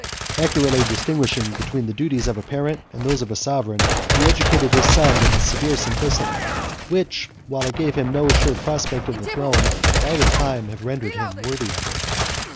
Accurately distinguishing between the duties of a parent and those of a sovereign, he educated his son with a severe simplicity, which, while it gave him no assured prospect of the throne, might in time have rendered him worthy of it.